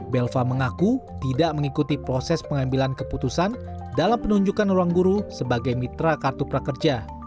belva mengaku tidak mengikuti proses pengambilan keputusan dalam penunjukan ruang guru sebagai mitra kartu prakerja